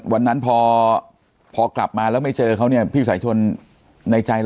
วันนั้นพอกลับมาแล้วไม่เจอเขาเนี่ยพี่สายชนในใจเรา